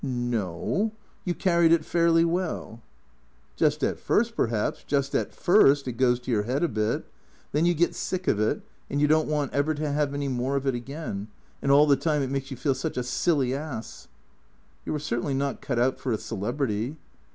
" No no. You carried it fairly well." " Just at first, perhaps, just at first it goes to your head a bit. Then you get sick of it, and you don't want ever to have any more of it again. And all the time it makes you feel such a silly ass." " Yon were certainly not cut out for a celebrity."